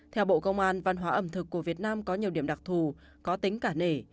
theo bộ công an văn hóa ẩm thực của việt nam có nhiều điểm đặc thù có tính cả nể